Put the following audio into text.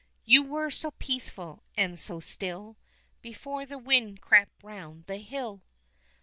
You were so peaceful and so still Before the wind crept round the hill!